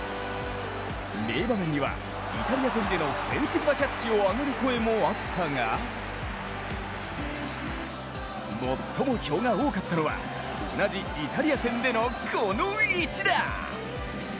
名場面には、イタリア戦でのフェンス際キャッチを挙げる声もあったが最も票が多かったのは、同じイタリア戦でのこの一打。